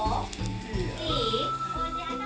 いい？